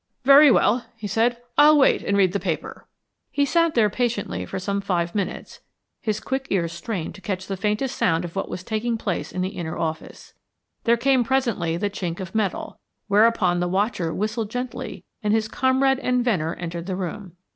"Very well," he said; "I'll wait and read the paper." He sat there patiently for some five minutes, his quick ears strained to catch the faintest sound of what was taking place in the inner office. There came presently the chink of metal, whereupon the watcher whistled gently and his comrade and Venner entered the room.